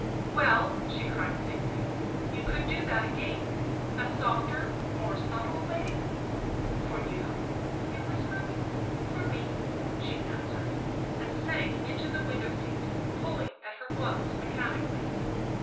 " Well," she cried thickly. " You could do that again — a softer, more subtle way ?"" For you ?" he whispered. " For me/' she answered, and sank into the window seat, pulling at her gloves mechanically.